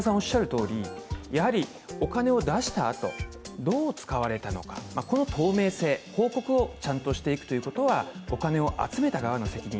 一方で、お金を出したあと、どう使われたのか、この透明性、報告をちゃんとしていくということはお金を集めた側の責任